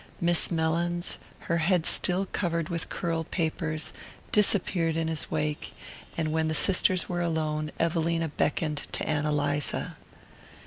Miss Mellins, her head still covered with curl papers, disappeared in his wake, and when the sisters were alone Evelina beckoned to Ann Eliza.